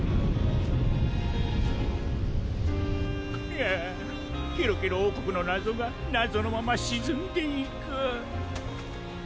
ああケロケロおうこくのなぞがなぞのまましずんでいく。